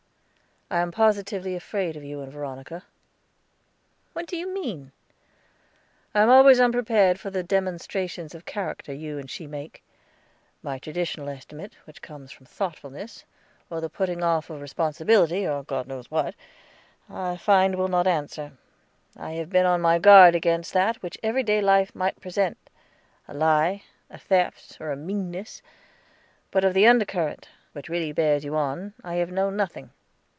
I am positively afraid of you and Veronica." "What do you mean?" "I am always unprepared for the demonstrations of character you and she make. My traditional estimate, which comes from thoughtfulness, or the putting off of responsibility, or God knows what, I find will not answer. I have been on my guard against that which everyday life might present a lie, a theft, or a meanness; but of the undercurrent, which really bears you on, I have known nothing."